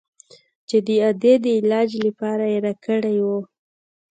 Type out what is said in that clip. چې د ادې د علاج لپاره يې راکړى و.